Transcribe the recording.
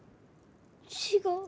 違う。